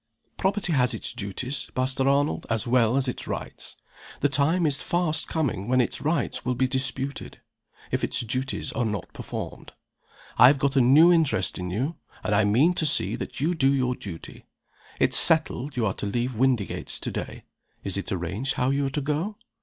Property has its duties, Master Arnold, as well as its rights. The time is fast coming when its rights will be disputed, if its duties are not performed. I have got a new interest in you, and I mean to see that you do your duty. It's settled you are to leave Windygates to day. Is it arranged how you are to go?"